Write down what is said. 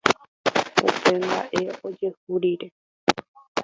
upe mba'e ojehu rire